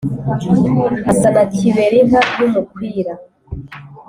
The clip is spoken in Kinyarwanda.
asa na kiberinka y’umukwira